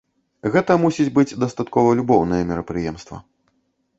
Гэта мусіць быць дастаткова любоўнае мерапрыемства.